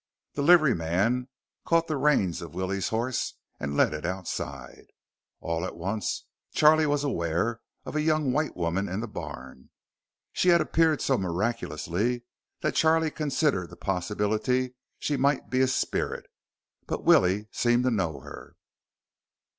The livery man caught the reins of Willie's horse and led it outside. All at once, Charlie was aware of a young white woman in the barn. She had appeared so miraculously that Charlie considered the possibility she might be a spirit, but Willie seemed to know her.